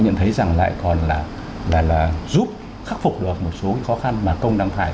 nhận thấy rằng lại còn là giúp khắc phục được một số khó khăn mà công đang phải